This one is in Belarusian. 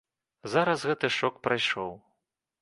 Зараз гэты шок прайшоў.